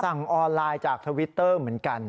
สั่งออนไลน์จากทวิตเตอร์เหมือนกัน